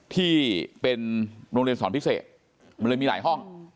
ที่เป็นโรงเรียนสอนพิเศษมันเลยมีหลายห้อง